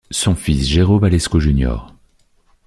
Son fils Jairo Velasco Jr.